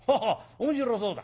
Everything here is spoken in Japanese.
面白そうだ。